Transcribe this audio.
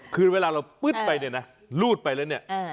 คือเวลาเราปึ๊ดไปเนี่ยนะรูดไปแล้วเนี่ย